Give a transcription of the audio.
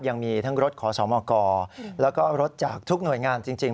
ยังมีทั้งรถขอสมกแล้วก็รถจากทุกหน่วยงานจริง